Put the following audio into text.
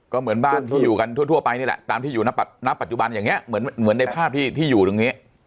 ก็เหมือนบ้านที่อยู่กันทั่วไปนี่แหละตามที่อยู่ณปัจจุบันอย่างนี้เหมือนในภาพที่อยู่ตรงนี้